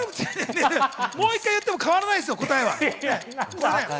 もう一回言っても変わらないですよ、答えは。